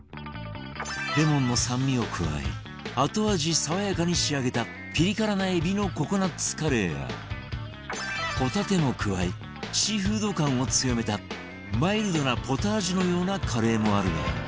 レモンの酸味を加え後味爽やかに仕上げたピリ辛な海老のココナッツカレーやほたても加えシーフード感を強めたマイルドなポタージュのようなカレーもあるが